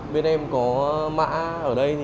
bên em có mạng ở đây